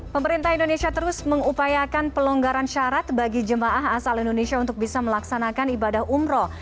pemerintah indonesia terus mengupayakan pelonggaran syarat bagi jemaah asal indonesia untuk bisa melaksanakan ibadah umroh